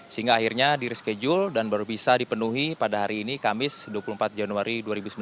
sehingga akhirnya di reschedule dan baru bisa dipenuhi pada hari ini kamis dua puluh empat januari dua ribu sembilan belas